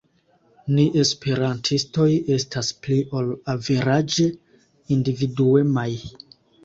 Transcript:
Ni esperantistoj estas pli ol averaĝe individuemaj.